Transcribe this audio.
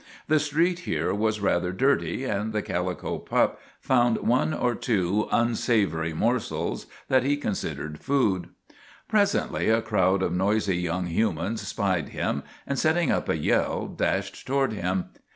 The street here was rather dirty, and the calico pup found one or two unsavory morsels that he con sidered food. Presently a crowd of noisy young humans spied him, and setting up a yell dashed toward him.